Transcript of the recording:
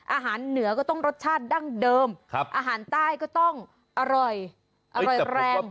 อาหารเหนือก็ต้องรสชาติดั้งเดิมอาหารใต้ก็ต้องอร่อยอร่อยแรง